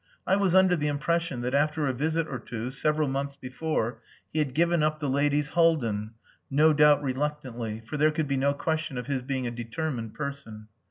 I was under the impression that after a visit or two, several months before, he had given up the ladies Haldin no doubt reluctantly, for there could be no question of his being a determined person.